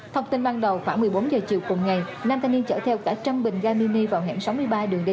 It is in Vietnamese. thông tin ban đầu khoảng một mươi bốn giờ chiều cùng ngày nam thanh niên chở theo cả trăm bình ga mini vào hẻm sáu mươi ba đường d